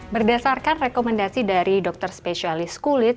berdasarkan rekomendasi dari dokter spesialis kulit